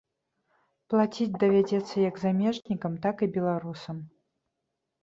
Плаціць давядзецца як замежнікам, так і беларусам.